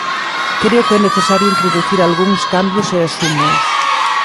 Creo que é necesario introducir algúns cambios e asúmoos.